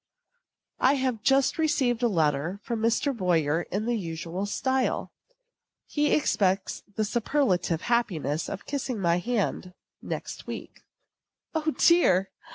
I have just received a letter from Mr. Boyer in the usual style. He expects the superlative happiness of kissing my hand next week. O, dear!